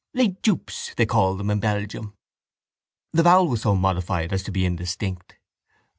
Les jupes, they call them in Belgium. The vowel was so modified as to be indistinct.